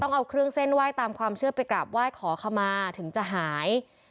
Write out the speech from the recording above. เอาเครื่องเส้นไหว้ตามความเชื่อไปกราบไหว้ขอขมาถึงจะหาย